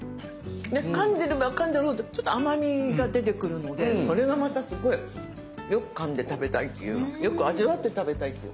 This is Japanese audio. でかんでればかんでるほどちょっと甘みが出てくるのでそれがまたすごいよくかんで食べたいっていうよく味わって食べたいっていう。